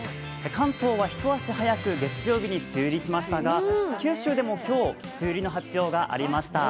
関東は一足早く月曜日に梅雨入りしましたが九州でも今日、梅雨入りの発表がありました。